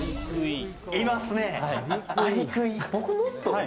いますね。